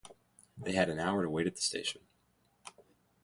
They had an hour to wait at the station.